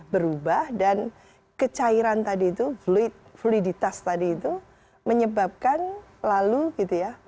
berubah dan kecairan tadi itu fluiditas tadi itu menyebabkan lalu tidak bisa berubah